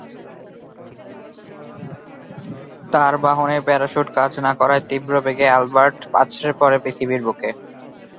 তার বাহনের প্যারাসুট কাজ না করায় তীব্র বেগে আলবার্ট আছড়ে পড়ে পৃথিবীর বুকে।